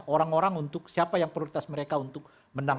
orang orang untuk siapa yang prioritas mereka untuk menang